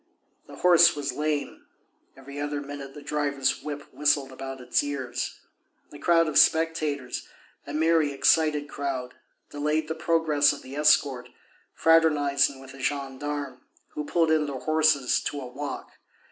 The horse was lame; every other minute the driver's whip whistled about its ears. The crowd of spectators, a merry, excited crowd, delayed the progress of the escort, fraternizing with the gendarmes, who pulled in their horses to a walk.